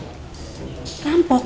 tante diambil sama rampok